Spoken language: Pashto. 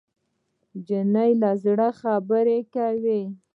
نجلۍ له زړه خبرې کوي.